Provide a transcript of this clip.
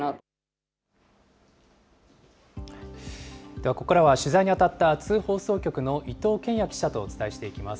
ではここからは取材に当たった津放送局の伊藤憲哉記者とお伝えしていきます。